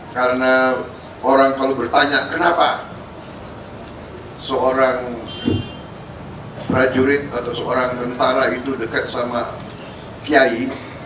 karena orang kalau bertanya kenapa seorang prajurit atau seorang tentara itu dekat sama kiai